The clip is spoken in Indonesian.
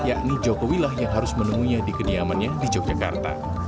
yakni jokowi lah yang harus menemuinya di kediamannya di yogyakarta